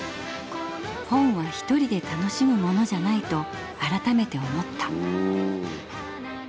「本は１人で楽しむものじゃないと改めて思った」。